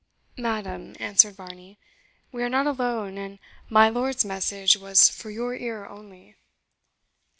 "Madam," answered Varney, "we are not alone, and my lord's message was for your ear only."